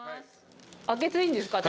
開けていいんですか？